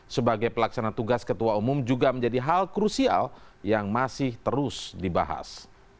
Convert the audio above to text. sebagai pelaksana tugas ketua umum juga menjadi hal krusial yang masih terus dibahas